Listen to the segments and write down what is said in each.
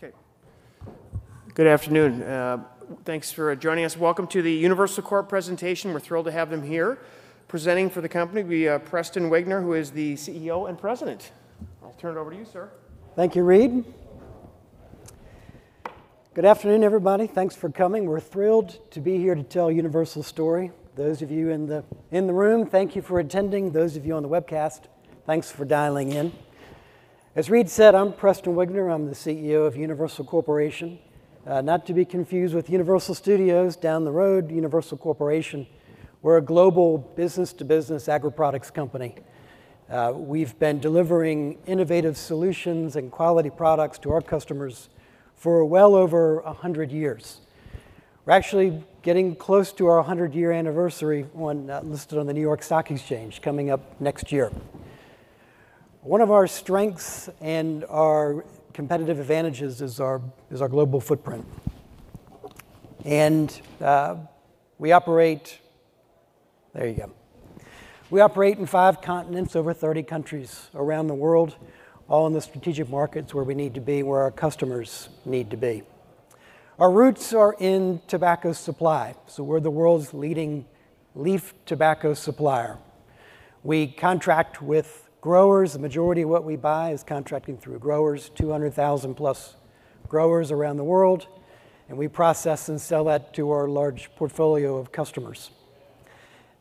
Okay, good afternoon. Thanks for joining us. Welcome to the Universal Corp presentation. We're thrilled to have them here presenting for the company. We have Preston Wigner, who is the CEO and President. I'll turn it over to you, sir. Thank you, Reid. Good afternoon, everybody. Thanks for coming. We're thrilled to be here to tell a universal story. Those of you in the room, thank you for attending. Those of you on the webcast, thanks for dialing in. As Reed said, I'm Preston Wigner. I'm the CEO of Universal Corporation, not to be confused with Universal Studios down the road. Universal Corporation, we're a global business-to-business agri-products company. We've been delivering innovative solutions and quality products to our customers for well over 100 years. We're actually getting close to our 100-year anniversary listed on the New York Stock Exchange coming up next year. One of our strengths and our competitive advantages is our global footprint. We operate in five continents, over 30 countries around the world, all in the strategic markets where we need to be, where our customers need to be. Our roots are in tobacco supply, so we're the world's leading leaf tobacco supplier. We contract with growers. The majority of what we buy is contracting through growers, 200,000+ growers around the world. And we process and sell that to our large portfolio of customers.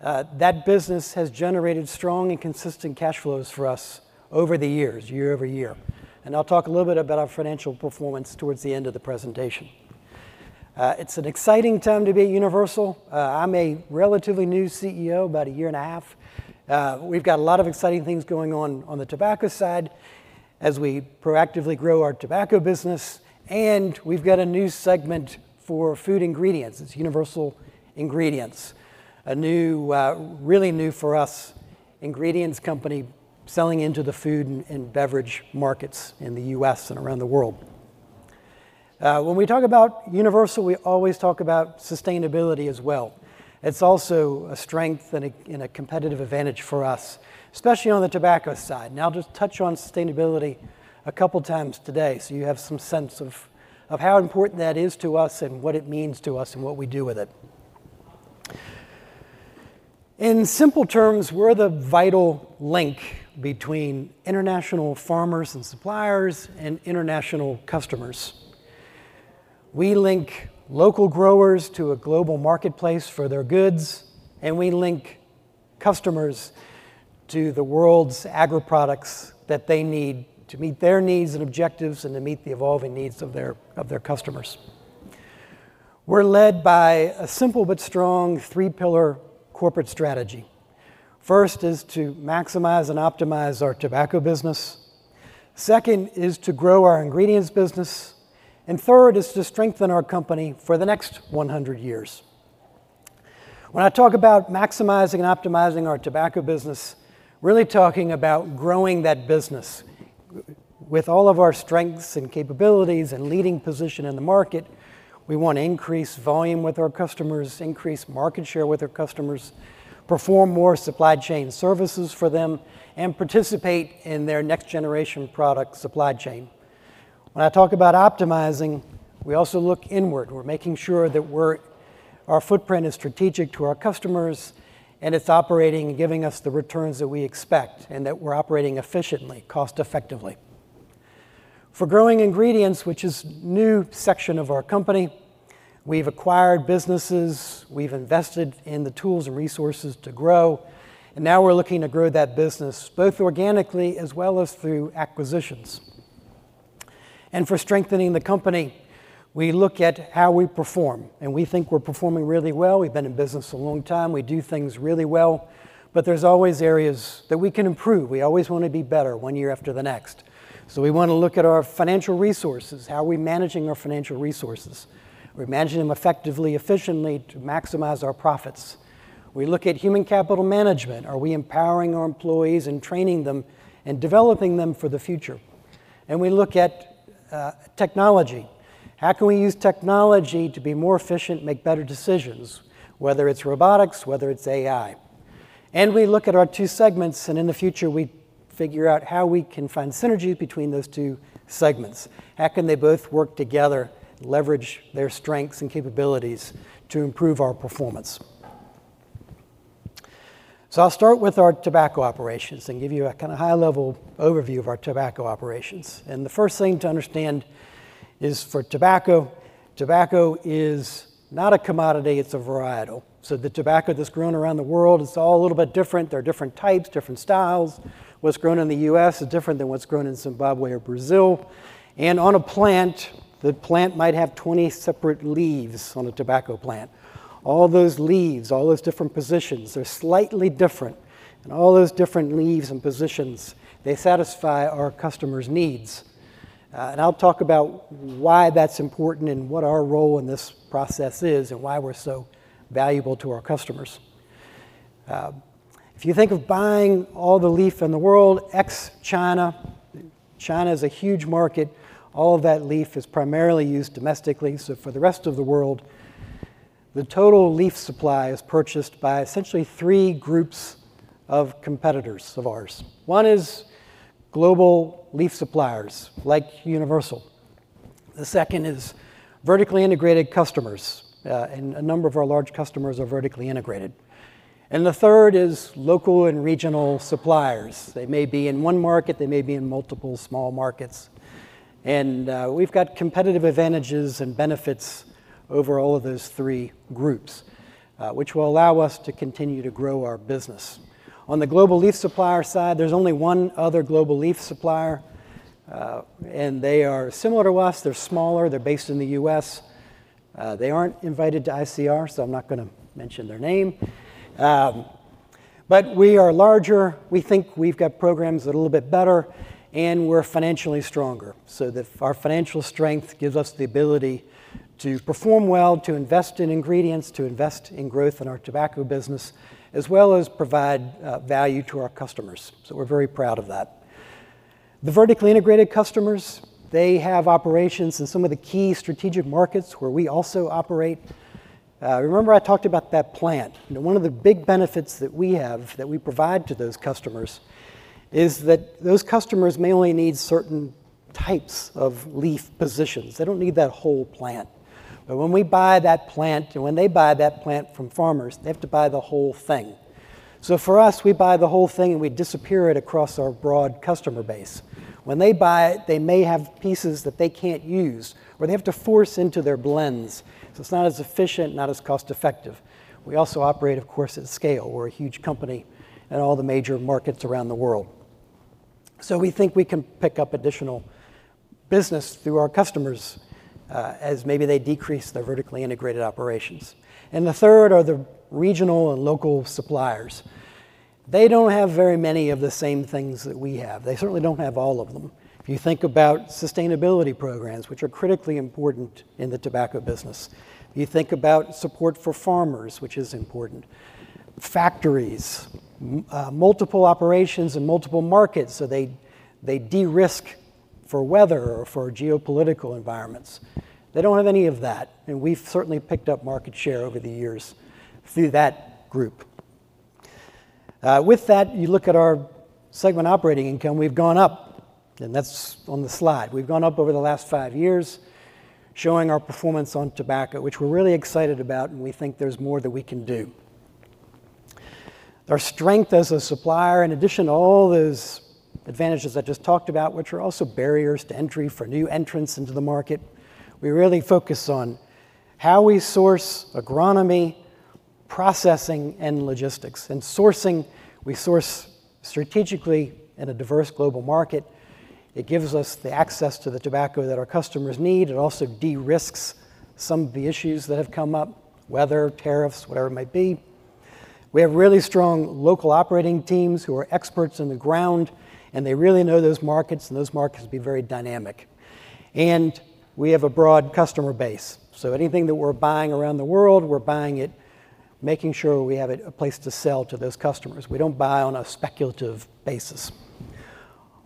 That business has generated strong and consistent cash flows for us over the years, year over year, and I'll talk a little bit about our financial performance towards the end of the presentation. It's an exciting time to be at Universal. I'm a relatively new CEO, about a year and a half. We've got a lot of exciting things going on on the tobacco side as we proactively grow our tobacco business, and we've got a new segment for food ingredients. It's Universal Ingredients, a new, really new for us ingredients company selling into the food and beverage markets in the U.S. and around the world. When we talk about Universal, we always talk about sustainability as well. It's also a strength and a competitive advantage for us, especially on the tobacco side, and I'll just touch on sustainability a couple of times today so you have some sense of how important that is to us and what it means to us and what we do with it. In simple terms, we're the vital link between international farmers and suppliers and international customers. We link local growers to a global marketplace for their goods, and we link customers to the world's agri-products that they need to meet their needs and objectives and to meet the evolving needs of their customers. We're led by a simple but strong three-pillar corporate strategy. First is to maximize and optimize our tobacco business. Second is to grow our ingredients business. And third is to strengthen our company for the next 100 years. When I talk about maximizing and optimizing our tobacco business, really talking about growing that business with all of our strengths and capabilities and leading position in the market, we want to increase volume with our customers, increase market share with our customers, perform more supply chain services for them, and participate in their next-generation product supply chain. When I talk about optimizing, we also look inward. We're making sure that our footprint is strategic to our customers and it's operating, giving us the returns that we expect and that we're operating efficiently, cost-effectively. For growing ingredients, which is a new section of our company, we've acquired businesses, we've invested in the tools and resources to grow, and now we're looking to grow that business both organically as well as through acquisitions. And for strengthening the company, we look at how we perform. And we think we're performing really well. We've been in business a long time. We do things really well. But there's always areas that we can improve. We always want to be better one year after the next. So we want to look at our financial resources, how are we managing our financial resources? Are we managing them effectively, efficiently to maximize our profits? We look at human capital management. Are we empowering our employees and training them and developing them for the future? And we look at technology. How can we use technology to be more efficient, make better decisions, whether it's robotics, whether it's AI? And we look at our two segments. And in the future, we figure out how we can find synergy between those two segments. How can they both work together, leverage their strengths and capabilities to improve our performance? So I'll start with our tobacco operations and give you a kind of high-level overview of our tobacco operations. And the first thing to understand is for tobacco, tobacco is not a commodity. It's a varietal. So the tobacco that's grown around the world, it's all a little bit different. There are different types, different styles. What's grown in the U.S. is different than what's grown in Zimbabwe or Brazil. And on a plant, the plant might have 20 separate leaves on a tobacco plant. All those leaves, all those different positions are slightly different. And all those different leaves and positions, they satisfy our customers' needs. And I'll talk about why that's important and what our role in this process is and why we're so valuable to our customers. If you think of buying all the leaf in the world, ex-China. China is a huge market. All of that leaf is primarily used domestically. So for the rest of the world, the total leaf supply is purchased by essentially three groups of competitors of ours. One is global leaf suppliers like Universal. The second is vertically integrated customers. And a number of our large customers are vertically integrated. And the third is local and regional suppliers. They may be in one market. They may be in multiple small markets. We've got competitive advantages and benefits over all of those three groups, which will allow us to continue to grow our business. On the global leaf supplier side, there's only one other global leaf supplier. They are similar to us. They're smaller. They're based in the U.S. They aren't invited to ICR, so I'm not going to mention their name. We are larger. We think we've got programs that are a little bit better. We're financially stronger. Our financial strength gives us the ability to perform well, to invest in ingredients, to invest in growth in our tobacco business, as well as provide value to our customers. We're very proud of that. The vertically integrated customers, they have operations in some of the key strategic markets where we also operate. Remember I talked about that plant. One of the big benefits that we have that we provide to those customers is that those customers mainly need certain types of leaf positions. They don't need that whole plant. But when we buy that plant and when they buy that plant from farmers, they have to buy the whole thing. So for us, we buy the whole thing and we disperse it across our broad customer base. When they buy it, they may have pieces that they can't use or they have to force into their blends. So it's not as efficient, not as cost-effective. We also operate, of course, at scale. We're a huge company in all the major markets around the world. So we think we can pick up additional business through our customers as maybe they decrease their vertically integrated operations. And the third are the regional and local suppliers. They don't have very many of the same things that we have. They certainly don't have all of them. If you think about sustainability programs, which are critically important in the tobacco business, if you think about support for farmers, which is important, factories, multiple operations, and multiple markets, so they de-risk for weather or for geopolitical environments, they don't have any of that, and we've certainly picked up market share over the years through that group. With that, you look at our segment operating income; we've gone up, and that's on the slide. We've gone up over the last five years showing our performance on tobacco, which we're really excited about, and we think there's more that we can do. Our strength as a supplier, in addition to all those advantages I just talked about, which are also barriers to entry for new entrants into the market. We really focus on how we source agronomy, processing, and logistics, and sourcing, we source strategically in a diverse global market. It gives us the access to the tobacco that our customers need. It also de-risks some of the issues that have come up, weather, tariffs, whatever it might be. We have really strong local operating teams who are experts on the ground, and they really know those markets, and those markets will be very dynamic, and we have a broad customer base, so anything that we're buying around the world, we're buying it, making sure we have a place to sell to those customers. We don't buy on a speculative basis.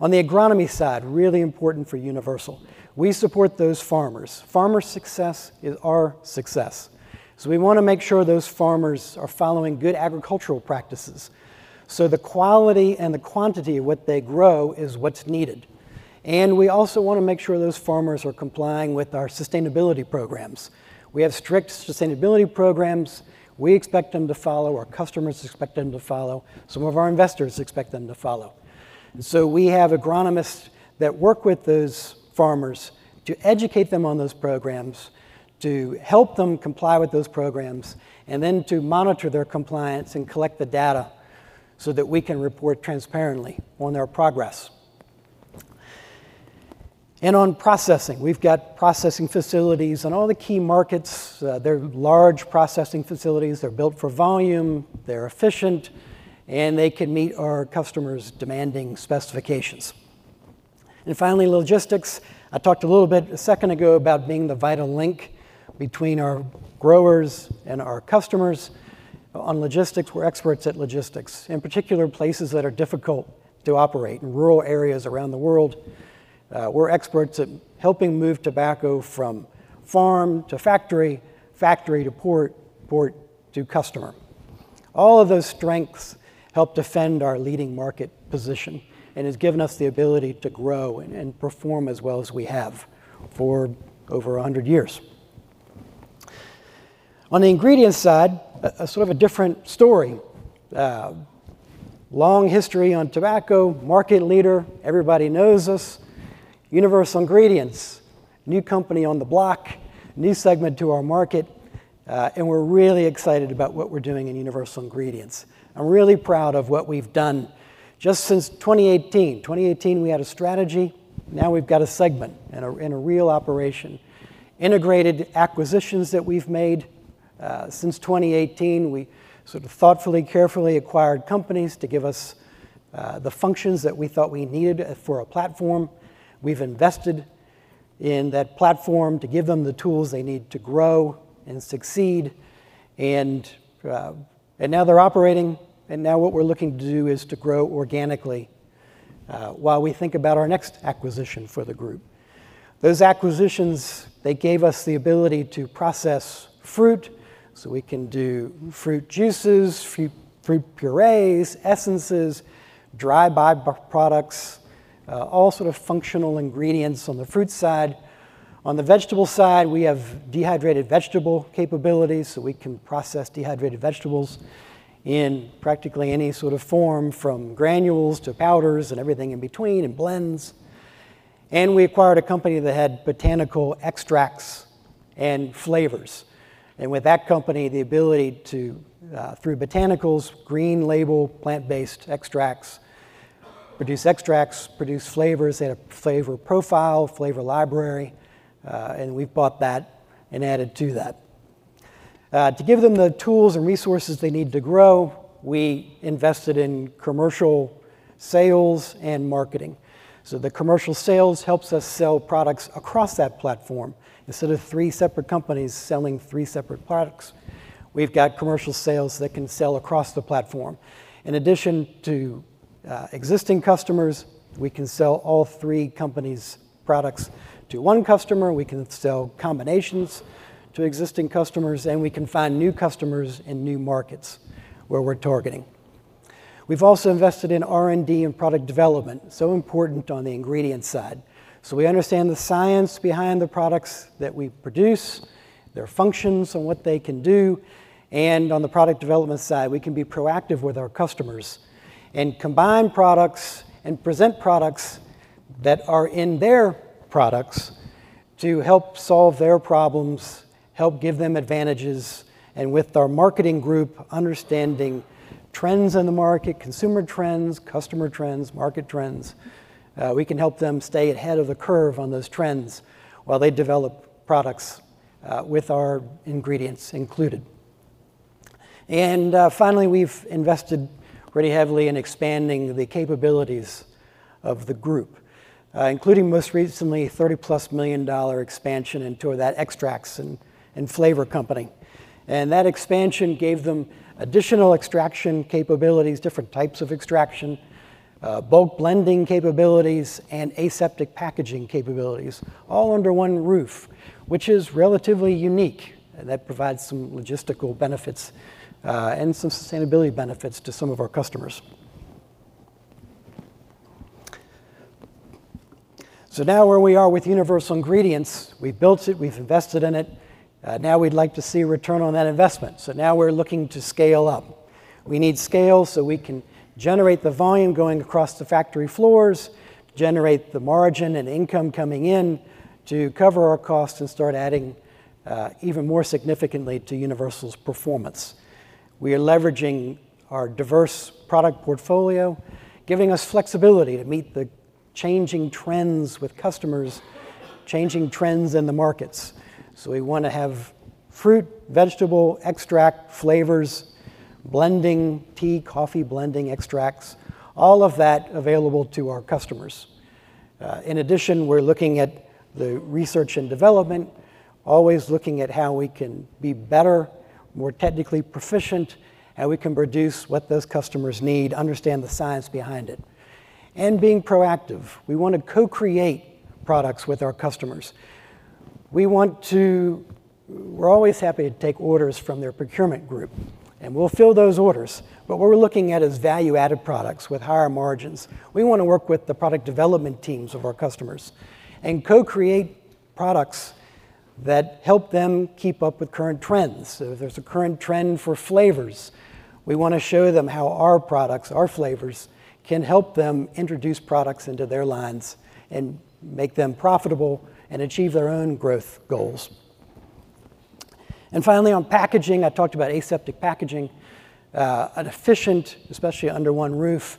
On the agronomy side, really important for Universal, we support those farmers. Farmer success is our success so we want to make sure those farmers are following good agricultural practices so the quality and the quantity of what they grow is what's needed and we also want to make sure those farmers are complying with our sustainability programs. We have strict sustainability programs. We expect them to follow. Our customers expect them to follow. Some of our investors expect them to follow so we have agronomists that work with those farmers to educate them on those programs, to help them comply with those programs, and then to monitor their compliance and collect the data so that we can report transparently on their progress and on processing, we've got processing facilities on all the key markets. They're large processing facilities. They're built for volume. They're efficient. And they can meet our customers' demanding specifications. And finally, logistics. I talked a little bit a second ago about being the vital link between our growers and our customers. On logistics, we're experts at logistics, in particular places that are difficult to operate in rural areas around the world. We're experts at helping move tobacco from farm to factory, factory to port, port to customer. All of those strengths help defend our leading market position and have given us the ability to grow and perform as well as we have for over 100 years. On the ingredients side, a sort of a different story. Long history on tobacco, market leader, everybody knows us. Universal Ingredients, new company on the block, new segment to our market. And we're really excited about what we're doing in Universal Ingredients. I'm really proud of what we've done just since 2018. 2018, we had a strategy. Now we've got a segment and a real operation integrated acquisitions that we've made since 2018. We sort of thoughtfully, carefully acquired companies to give us the functions that we thought we needed for a platform. We've invested in that platform to give them the tools they need to grow and succeed, and now they're operating, and now what we're looking to do is to grow organically while we think about our next acquisition for the group. Those acquisitions, they gave us the ability to process fruit so we can do fruit juices, fruit purees, essences, dry byproducts, all sort of functional ingredients on the fruit side. On the vegetable side, we have dehydrated vegetable capabilities so we can process dehydrated vegetables in practically any sort of form from granules to powders and everything in between and blends. And we acquired a company that had botanical extracts and flavors. And with that company, the ability to, through botanicals, green label, plant-based extracts, produce extracts, produce flavors. They had a flavor profile, flavor library. And we've bought that and added to that. To give them the tools and resources they need to grow, we invested in commercial sales and marketing. So the commercial sales helps us sell products across that platform. Instead of three separate companies selling three separate products, we've got commercial sales that can sell across the platform. In addition to existing customers, we can sell all three companies' products to one customer. We can sell combinations to existing customers. And we can find new customers in new markets where we're targeting. We've also invested in R&D and product development, so important on the ingredients side. We understand the science behind the products that we produce, their functions and what they can do. And on the product development side, we can be proactive with our customers and combine products and present products that are in their products to help solve their problems, help give them advantages. And with our marketing group, understanding trends in the market, consumer trends, customer trends, market trends, we can help them stay ahead of the curve on those trends while they develop products with our ingredients included. And finally, we've invested pretty heavily in expanding the capabilities of the group, including most recently, a $30+ million expansion into that extracts and flavor company. And that expansion gave them additional extraction capabilities, different types of extraction, bulk blending capabilities, and aseptic packaging capabilities, all under one roof, which is relatively unique. That provides some logistical benefits and some sustainability benefits to some of our customers. So now where we are with Universal Ingredients, we've built it. We've invested in it. Now we'd like to see a return on that investment. So now we're looking to scale up. We need scale so we can generate the volume going across the factory floors, generate the margin and income coming in to cover our costs and start adding even more significantly to Universal's performance. We are leveraging our diverse product portfolio, giving us flexibility to meet the changing trends with customers, changing trends in the markets. So we want to have fruit, vegetable extract, flavors, blending, tea, coffee blending extracts, all of that available to our customers. In addition, we're looking at the research and development, always looking at how we can be better, more technically proficient, how we can produce what those customers need, understand the science behind it, and being proactive. We want to co-create products with our customers. We're always happy to take orders from their procurement group, and we'll fill those orders. But what we're looking at is value-added products with higher margins. We want to work with the product development teams of our customers and co-create products that help them keep up with current trends. So if there's a current trend for flavors, we want to show them how our products, our flavors, can help them introduce products into their lines and make them profitable and achieve their own growth goals. And finally, on packaging, I talked about aseptic packaging, an efficient, especially under one roof,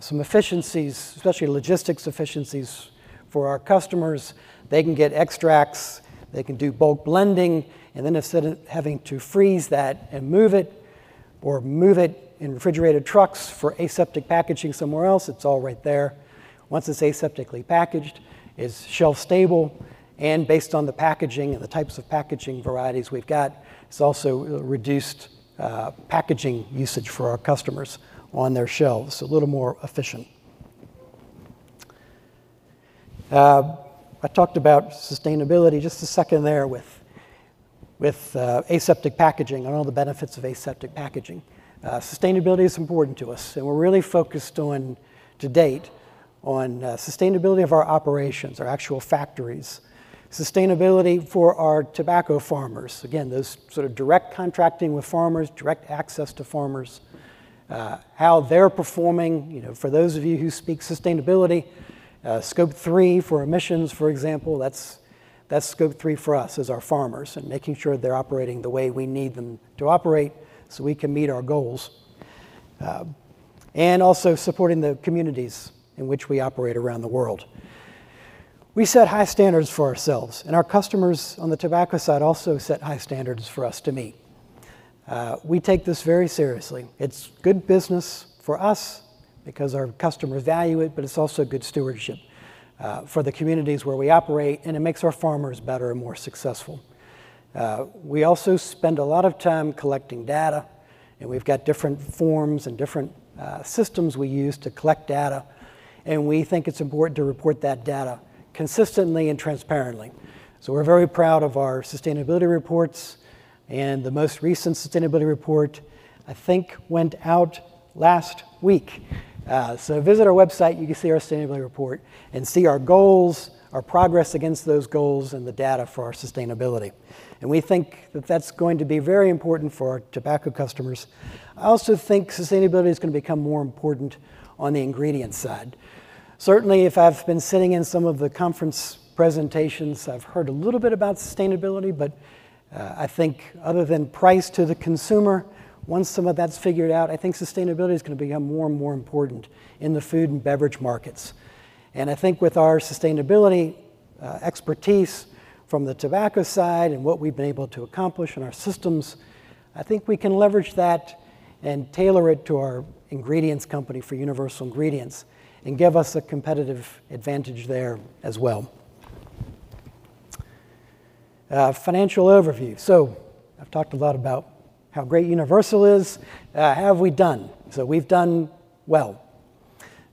some efficiencies, especially logistics efficiencies for our customers. They can get extracts. They can do bulk blending. And then instead of having to freeze that and move it or move it in refrigerated trucks for aseptic packaging somewhere else, it's all right there. Once it's aseptically packaged, it's shelf-stable. And based on the packaging and the types of packaging varieties we've got, it's also reduced packaging usage for our customers on their shelves, a little more efficient. I talked about sustainability just a second there with aseptic packaging and all the benefits of aseptic packaging. Sustainability is important to us. And we're really focused on, to date, on sustainability of our operations, our actual factories, sustainability for our tobacco farmers. Again, those sort of direct contracting with farmers, direct access to farmers, how they're performing. For those of you who speak sustainability, Scope 3 for emissions, for example, that's Scope 3 for us as our farmers and making sure they're operating the way we need them to operate so we can meet our goals and also supporting the communities in which we operate around the world. We set high standards for ourselves, and our customers on the tobacco side also set high standards for us to meet. We take this very seriously. It's good business for us because our customers value it, but it's also good stewardship for the communities where we operate, and it makes our farmers better and more successful. We also spend a lot of time collecting data, and we've got different forms and different systems we use to collect data, and we think it's important to report that data consistently and transparently, so we're very proud of our sustainability reports. And the most recent sustainability report, I think, went out last week. So visit our website. You can see our sustainability report and see our goals, our progress against those goals, and the data for our sustainability. And we think that that's going to be very important for our tobacco customers. I also think sustainability is going to become more important on the ingredients side. Certainly, if I've been sitting in some of the conference presentations, I've heard a little bit about sustainability. But I think other than price to the consumer, once some of that's figured out, I think sustainability is going to become more and more important in the food and beverage markets. And I think with our sustainability expertise from the tobacco side and what we've been able to accomplish in our systems, I think we can leverage that and tailor it to our ingredients company for Universal Ingredients and give us a competitive advantage there as well. Financial overview. So I've talked a lot about how great Universal is. How have we done? So we've done well.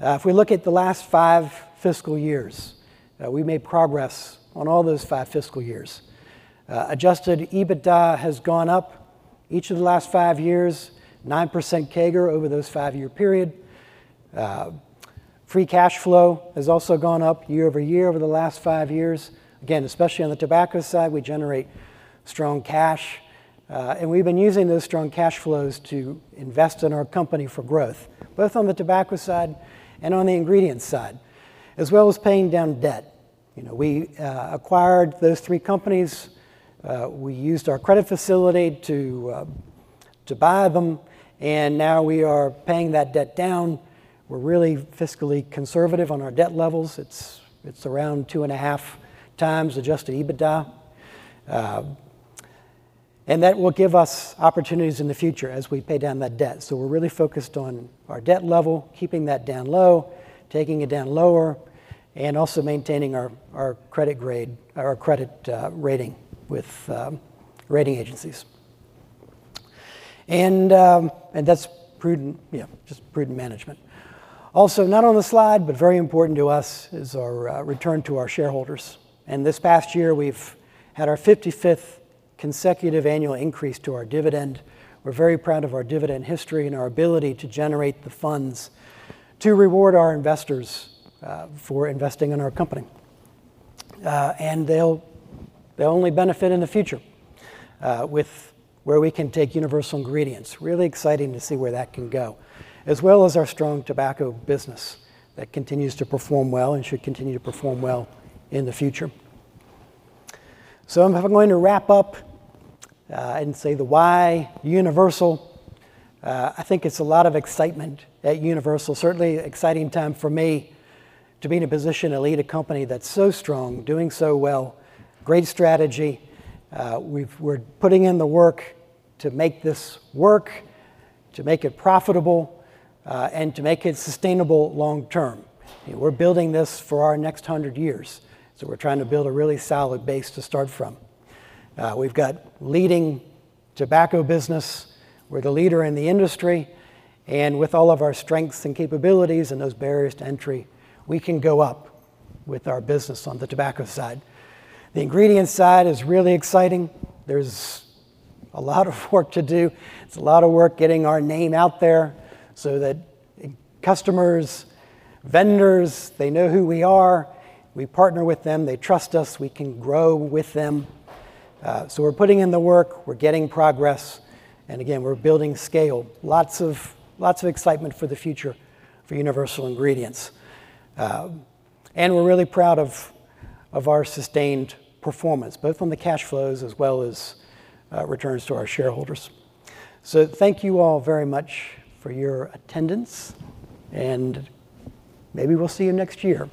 If we look at the last five fiscal years, we made progress on all those five fiscal years. Adjusted EBITDA has gone up each of the last five years, 9% CAGR over those five-year period. Free cash flow has also gone up year-over-year over the last five years. Again, especially on the tobacco side, we generate strong cash. We've been using those strong cash flows to invest in our company for growth, both on the tobacco side and on the ingredients side, as well as paying down debt. We acquired those three companies. We used our credit facility to buy them. Now we are paying that debt down. We're really fiscally conservative on our debt levels. It's around two and a half times Adjusted EBITDA. That will give us opportunities in the future as we pay down that debt. We're really focused on our debt level, keeping that down low, taking it down lower, and also maintaining our credit grade or our credit rating with rating agencies. That's prudent, yeah, just prudent management. Also, not on the slide, but very important to us is our return to our shareholders. This past year, we've had our 55th consecutive annual increase to our dividend. We're very proud of our dividend history and our ability to generate the funds to reward our investors for investing in our company, and they'll only benefit in the future with where we can take Universal Ingredients. Really exciting to see where that can go, as well as our strong tobacco business that continues to perform well and should continue to perform well in the future, so I'm going to wrap up and say the why Universal. I think it's a lot of excitement at Universal. Certainly, exciting time for me to be in a position to lead a company that's so strong, doing so well, great strategy. We're putting in the work to make this work, to make it profitable, and to make it sustainable long term. We're building this for our next 100 years, so we're trying to build a really solid base to start from. We've got leading tobacco business. We're the leader in the industry with all of our strengths and capabilities and those barriers to entry. We can go up with our business on the tobacco side. The ingredients side is really exciting. There's a lot of work to do. It's a lot of work getting our name out there so that customers, vendors, they know who we are. We partner with them. They trust us. We can grow with them, so we're putting in the work. We're getting progress, and again, we're building scale. Lots of excitement for the future for Universal Ingredients, and we're really proud of our sustained performance, both on the cash flows as well as returns to our shareholders, so thank you all very much for your attendance, and maybe we'll see you next year.